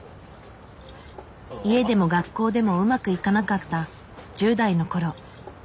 家でも学校でもうまくいかなかった１０代の頃。